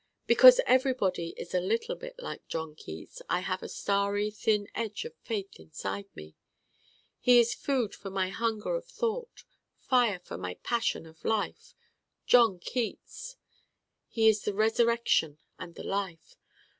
Because everybody is a little bit like John Keats I have a starry thin edge of faith inside me. He is food for my hunger of thought, fire for my passion of life. John Keats! He is the resurrection and the life.